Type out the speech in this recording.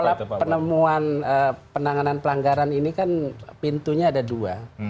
kalau penemuan penanganan pelanggaran ini kan pintunya ada dua